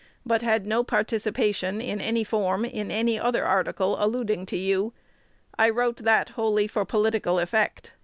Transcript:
but had no participation in any form in any other article alluding to you. I wrote that wholly for political effect.